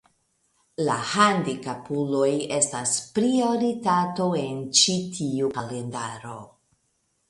La handikapuloj estas prioritato en ĉi tiu kalendaro.